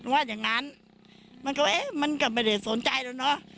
ว่าอย่างนั้นมันก็เอ๊ะมันก็ไม่ได้สนใจแล้วเนอะ